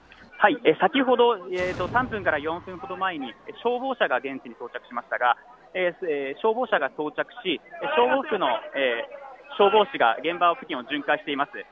先ほど３分から４分ほど前に消防車が現地に到着しましたが消防車が到着し、消防服の消防士が現場付近を巡回しています。